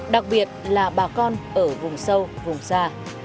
đặc biệt là bà con ở vùng sâu vùng xa